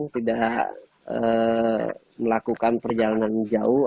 tidak melakukan perjalanan jauh